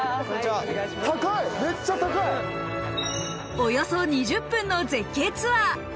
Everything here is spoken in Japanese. およそ２０分の絶景ツアー。